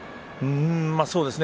そうですね